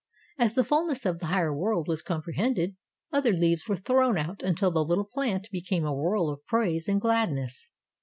As the fullness of the higher world was comprehended, other leaves were thrown out until the little plant became a whorl of praise and gladness.